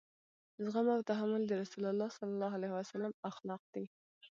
زغم او تحمل د رسول کريم صلی الله علیه وسلم اخلاق دي.